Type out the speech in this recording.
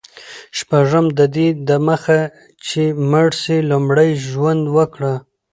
شپږم: ددې دمخه چي مړ سې، لومړی ژوند وکړه.